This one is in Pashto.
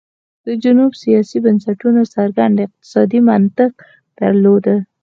د جنوب سیاسي بنسټونو څرګند اقتصادي منطق درلود.